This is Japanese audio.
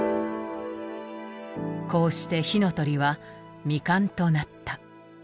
こうして「火の鳥」は未完となった。